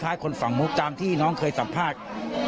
คนฝั่งมุกตามที่น้องเคยสัมภาษณ์